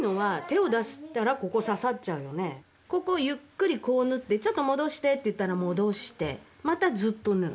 怖いのはここゆっくりこう縫って「ちょっと戻して」って言ったら戻してまたずっと縫う。